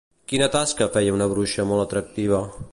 Quina tasca feia una bruixa molt atractiva?